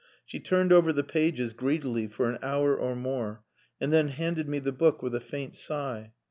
She turned over the pages greedily for an hour or more, and then handed me the book with a faint sigh.